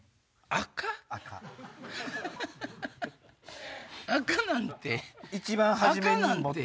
赤なんて。